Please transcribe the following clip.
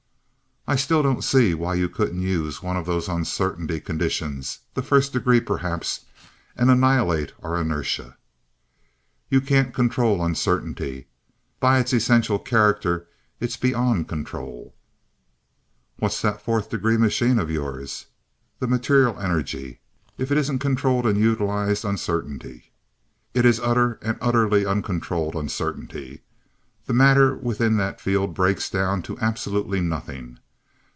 "I still don't see why you couldn't use one of those Uncertainty conditions the First Degree perhaps, and annihilate our inertia." "You can't control Uncertainty. By its essential character it's beyond control." "What's that Fourth Degree machine of yours the material energy if it isn't controlled and utilized Uncertainty?" "It's utter and utterly uncontrolled Uncertainty. The matter within that field breaks down to absolutely nothing.